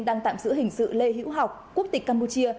đang tạm giữ hình sự lê hữu học quốc tịch campuchia